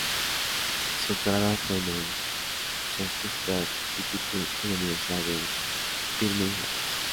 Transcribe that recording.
Su doctorado fue en el "Shakespeare Institute", en la Universidad de Birmingham.